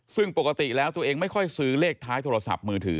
ซึ่งปกติแล้วตัวเองไม่ค่อยซื้อเลขท้ายโทรศัพท์มือถือ